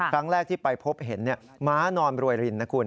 ครั้งแรกที่ไปพบเห็นม้านอนรวยรินนะคุณ